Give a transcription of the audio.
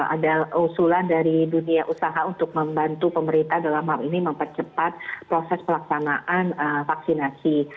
ada usulan dari dunia usaha untuk membantu pemerintah dalam hal ini mempercepat proses pelaksanaan vaksinasi